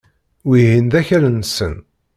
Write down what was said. Wihin d akal-nsen.